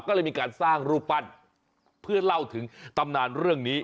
ก็เลยมีการสร้างรูปปั้นเพื่อเล่าถึงตำนานเรื่องนี้